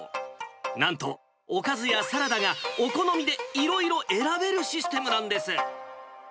なんとおかずやサラダがお好みでいろいろ選べるシステムなんです。